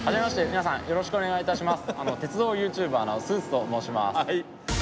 皆さんよろしくお願い致します。